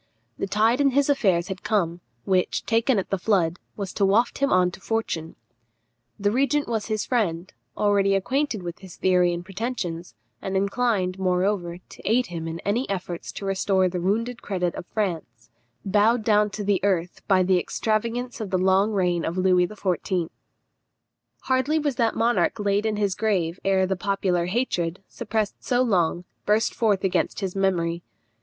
The tide in his affairs had come, which, taken at the flood, was to waft him on to fortune. The regent was his friend, already acquainted with his theory and pretensions, and inclined, moreover, to aid him in any efforts to restore the wounded credit of France, bowed down to the earth by the extravagance of the long reign of Louis XIV. Hardly was that monarch laid in his grave ere the popular hatred, suppressed so long, burst forth against his memory.